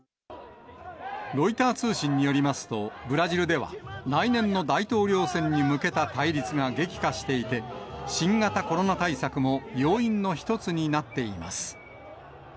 ロイター通信によりますと、ブラジルでは来年の大統領選に向けた対立が激化していて、新型コロナ対策も、要因の一つになっています。